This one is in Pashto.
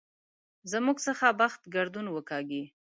زموږ څخه بخت ګردون وکاږي.